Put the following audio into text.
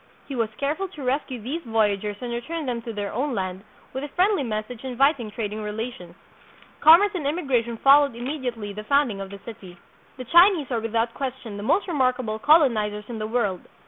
He was careful to rescue these voyagers and return them to their own land, with a friendly message inviting trading rela tions. Commerce and immigration followed immediately the founding of the city. The Chinese are without question the most remarkable colonizers in the world.